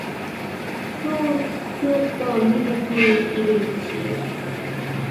څو څوک په مینه کې اېرې نه شي.